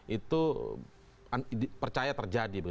itu percaya terjadi